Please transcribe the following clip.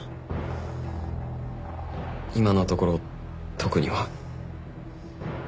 今のところ特には。